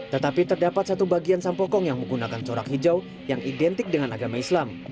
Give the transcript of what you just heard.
tetapi terdapat satu bagian sampokong yang menggunakan corak hijau yang identik dengan agama islam